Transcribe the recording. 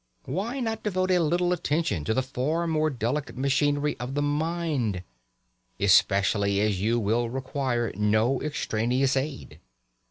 Why not devote a little attention to the far more delicate machinery of the mind, especially as you will require no extraneous aid?